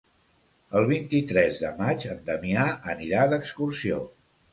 El vint-i-tres de maig en Damià anirà d'excursió.